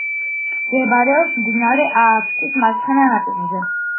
მდებარეობს მდინარე ააფსთის მარცხენა ნაპირზე.